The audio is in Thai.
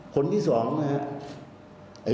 คนที่สองนี่นะครับ